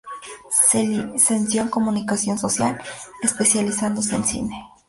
Se licenció en Comunicación Social, especializándose en cine.